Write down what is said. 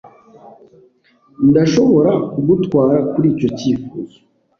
Ndashobora kugutwara kuri icyo cyifuzo.